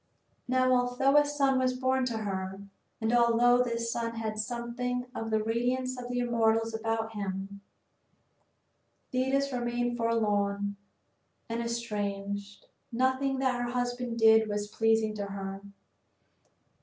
III Now although a son was born to her, and although this son had something of the radiance of the immortals about him, Thetis remained forlorn and estranged. Nothing that her husband did was pleasing to her.